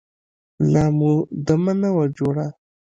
لا مو دمه نه وه جوړه.